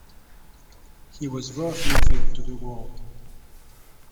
He was worth nothing to the world.